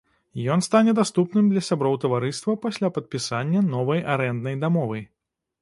Ён стане даступным для сяброў таварыства пасля падпісання новай арэнднай дамовы.